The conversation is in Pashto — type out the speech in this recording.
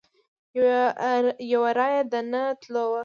یو رایه د نه تلو وه.